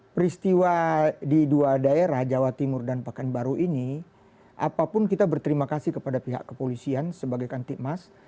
peristiwa di dua daerah jawa timur dan pekanbaru ini apapun kita berterima kasih kepada pihak kepolisian sebagai kantik mas